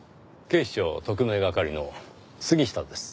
警視庁特命係の杉下です。